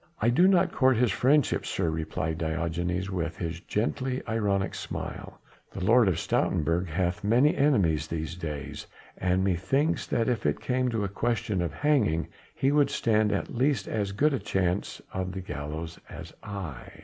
"I do not court his friendship, sir," replied Diogenes with his gently ironical smile; "the Lord of Stoutenburg hath many enemies these days; and, methinks, that if it came to a question of hanging he would stand at least as good a chance of the gallows as I."